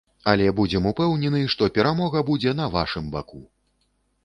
Але будзем упэўнены, што перамога будзе на вашым баку!